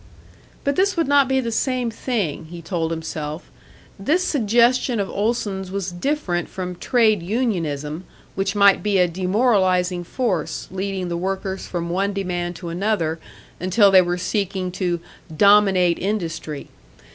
But this would not be the same thing, he told himself. This suggestion of Olson's was different from trade unionism, which might be a demoralising force, leading the workers from one demand to another, until they were seeking to "dominate industry."